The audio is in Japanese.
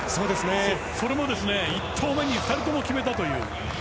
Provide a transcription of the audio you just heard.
それも１投目に２人とも決めたという。